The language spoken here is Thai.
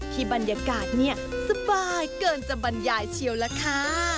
บรรยากาศเนี่ยสบายเกินจะบรรยายเชียวล่ะค่ะ